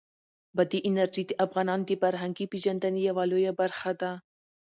بادي انرژي د افغانانو د فرهنګي پیژندنې یوه لویه برخه ده.